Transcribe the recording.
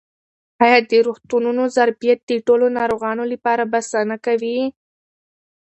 آیا د روغتونونو ظرفیت د ټولو ناروغانو لپاره بسنه کوي؟